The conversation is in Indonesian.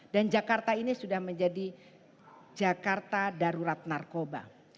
dan jakarta ini sudah menjadi jakarta darurat narkoba